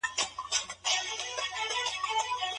د دارالامان ماڼۍ وړه نه ده.